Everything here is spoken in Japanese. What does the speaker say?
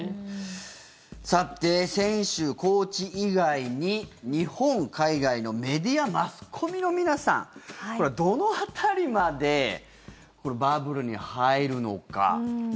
さて、選手、コーチ以外に日本、海外のメディアマスコミの皆さんこれは、どの辺りまでバブルに入るのか。